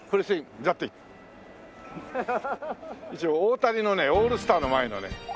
一応大谷のねオールスターの前のね